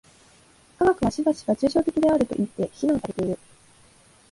科学はしばしば抽象的であるといって非難されている。